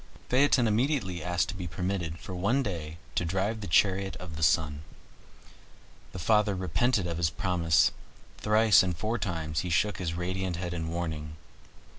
Phaeton immediately asked to be permitted for one day to drive the chariot of the sun. The father repented of his promise; thrice and four times he shook his radiant head in warning.